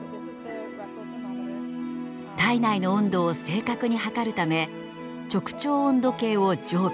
体内の温度を正確に測るため直腸温度計を常備。